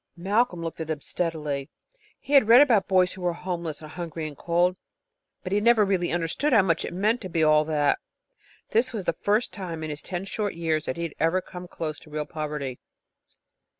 Malcolm looked at him steadily. He had read about boys who were homeless and hungry and cold, but he had never really understood how much it meant to be all that. This was the first time in his ten short years that he had ever come close to real poverty.